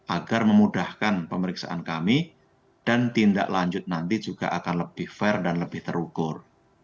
agar memudahkan pemeriksaan kami dan tindak lanjut nanti juga akan lebih fair dan lebih terukur